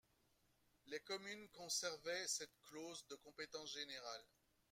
Les communes conservaient cette clause de compétence générale.